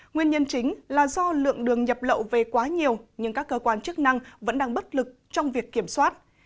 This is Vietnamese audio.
nguyên nhân chính là do lượng đường nhập lậu về quá nhiều nhưng các cơ quan chức năng vẫn đang bất lực trong việc kiểm soát